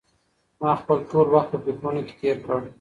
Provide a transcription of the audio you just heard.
ما خپل ټول وخت په فکرونو کې تېر کړ.